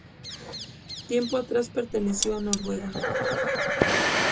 Tiempo atrás perteneció a Noruega.